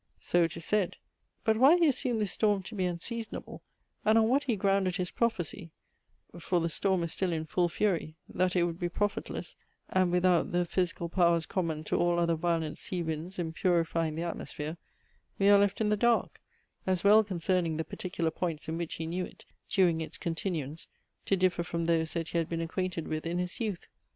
"So it is said." But why he assumed this storm to be unseasonable, and on what he grounded his prophecy, (for the storm is still in full fury), that it would be profitless, and without the physical powers common to all other violent sea winds in purifying the atmosphere, we are left in the dark; as well concerning the particular points in which he knew it, during its continuance, to differ from those that he had been acquainted with in his youth.